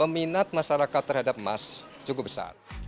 minat masyarakat terhadap emas cukup besar